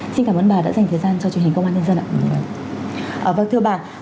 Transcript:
xin cảm ơn bà đã dành thời gian cho truyền hình công an nhân dân ạ